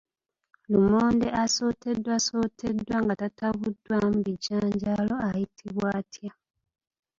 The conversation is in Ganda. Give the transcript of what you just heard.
Lumonde asotteddwasoteddwa nga tatabuddwamu bijanjaalo ayitibwa atya?